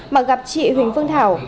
mà gặp chị huỳnh phương thảo